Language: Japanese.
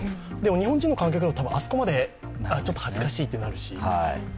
日本人の観客だとあそこまでは、ちょっと恥ずかしいとなると思いますし。